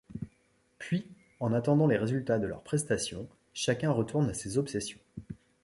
Puis, en attendant les résultats de leurs prestations, chacun retourne à ses obsessions.